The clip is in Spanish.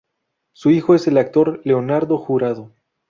Su hijo es el actor Leonardo Jurado.